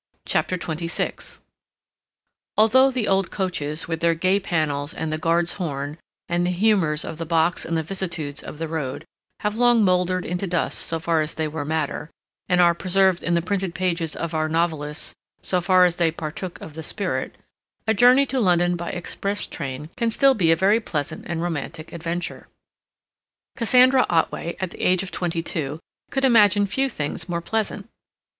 CHAPTER XXVI Although the old coaches, with their gay panels and the guard's horn, and the humors of the box and the vicissitudes of the road, have long moldered into dust so far as they were matter, and are preserved in the printed pages of our novelists so far as they partook of the spirit, a journey to London by express train can still be a very pleasant and romantic adventure. Cassandra Otway, at the age of twenty two, could imagine few things more pleasant.